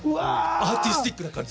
アーティスティックで。